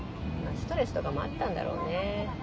ストレスとかもあったんだろうね。